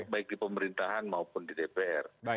baik di pemerintahan maupun di dpr